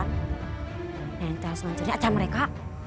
nanti harus ngancurin aja mereka